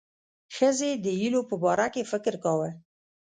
ښځې د هیلو په باره کې فکر کاوه.